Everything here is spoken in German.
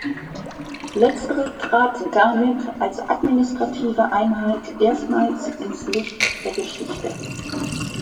Letztere trat damit als administrative Einheit erstmals ins Licht der Geschichte.